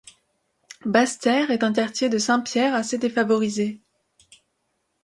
Basse-Terre est un quartier de Saint-Pierre assez défavorisé.